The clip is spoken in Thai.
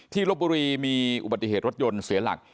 ลบบุรีมีอุบัติเหตุรถยนต์เสียหลัก